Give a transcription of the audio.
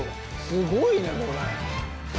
すごいねこれ。